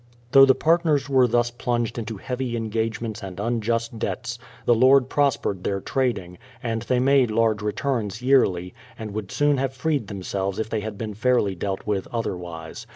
Though the partners were thus plunged into heavy engagements and unjust debts, the Lord prospered their trading, and they made large returns yearly, and would soon have freed themselves if they had been fairly dealt with otherwise.